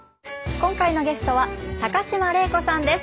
今回のゲストは高島礼子さんです。